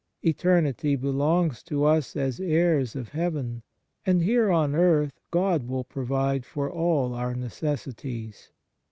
Eternity belongs to us as heirs of heaven, and here on earth God will provide for all our necessities.